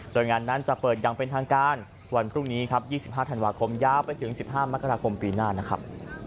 โดยงานนั้นจะเปิดอย่างเป็นทางการวันพรุ่งนี้ครับ๒๕ธันวาคมยาวไปถึง๑๕มกราคมปีหน้านะครับ